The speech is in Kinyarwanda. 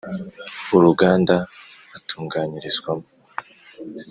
uruganda atunganyirizwamo